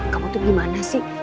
kamu tuh gimana sih